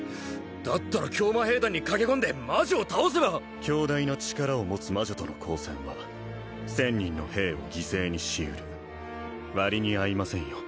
だったら教魔兵団に駆け込んで魔女を倒せば強大な力を持つ魔女との交戦は１０００人の兵を犠牲にしうる割に合いませんよ